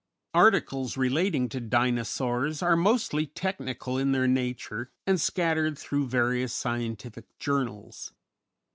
_ _Articles relating to Dinosaurs are mostly technical in their nature and scattered through various scientific journals.